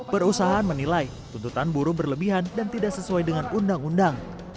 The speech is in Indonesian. perusahaan menilai tuntutan buruh berlebihan dan tidak sesuai dengan undang undang